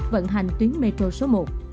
vận hành tuyến metro số một